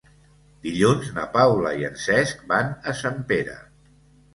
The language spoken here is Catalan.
Dilluns na Paula i en Cesc van a Sempere.